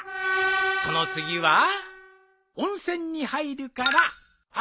その次は温泉に入るから熱海！